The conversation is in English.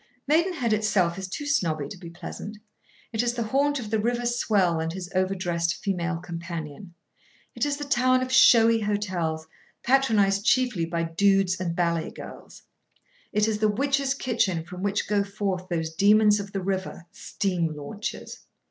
Maidenhead itself is too snobby to be pleasant. It is the haunt of the river swell and his overdressed female companion. It is the town of showy hotels, patronised chiefly by dudes and ballet girls. It is the witch's kitchen from which go forth those demons of the river—steam launches.